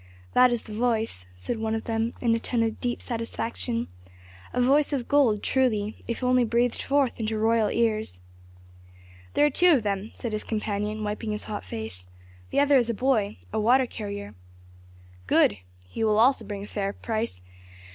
"That is the voice," said one of them in a tone of deep satisfaction. "A voice of gold truly, if only breathed forth into royal ears." "There are two of them," said his companion, wiping his hot face. "The other is a boy, a water carrier.' "Good! He also will bring a fair price.